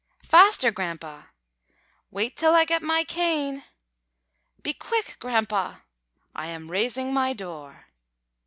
"Faster, Grandpa!" "Wait till I get my cane." "Be quick, Grandpa!" "I am raising my door."